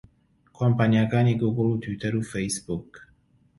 کۆمپانیاکانی گووگڵ و تویتەر و فەیسبووک